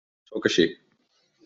Sóc així.